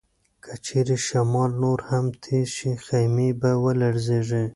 که چیرې شمال نور هم تېز شي، خیمې به ولړزيږي.